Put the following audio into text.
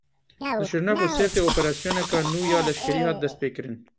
Li Şirnex û Sêrtê operasyoneka nû ya leşkerî hat destpêkirin.